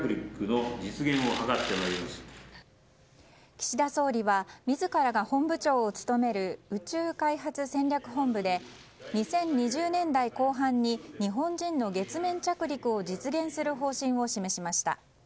岸田総理は自らが本部長を務める宇宙開発戦略本部で２０２０年代後半に日本人の月面着陸を実現する方針を示しました。